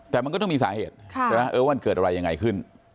แต่มันก็ต้องมีสาเหตุว่าเกิดอะไรยังไงขึ้น